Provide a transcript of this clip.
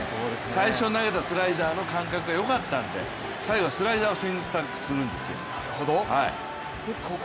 最初投げたスライダーの感覚がよかったんで最後はスライダーを選択するんですよ。